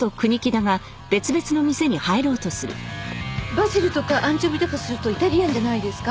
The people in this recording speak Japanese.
バジルとかアンチョビだとするとイタリアンじゃないですか？